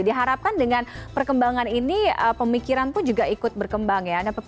diharapkan dengan perkembangan ini pemikiran pun juga ikut berkembang ya